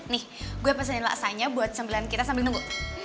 nih gue pesenin laksanya buat cembelan kita sambil nunggu